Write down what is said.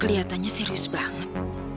keliatannya serius banget